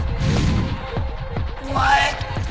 お前